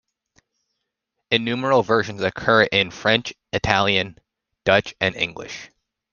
Innumerable versions occur in French, Italian, Dutch and English.